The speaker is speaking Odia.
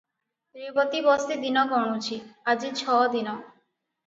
ରେବତୀ ବସି ଦିନ ଗଣୁଛି, ଆଜି ଛ ଦିନ।